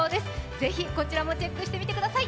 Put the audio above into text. ぜひ、こちらもチェックしてみてください。